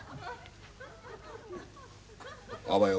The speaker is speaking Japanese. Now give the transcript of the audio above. あばよ。